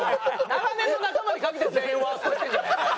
長年の仲間に限って全員ワーストにしてんじゃねえかよ。